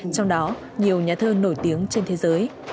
trong đó nhiều nhà thơ nổi tiếng trên thế giới